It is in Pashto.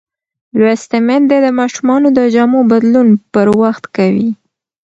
لوستې میندې د ماشومانو د جامو بدلون پر وخت کوي.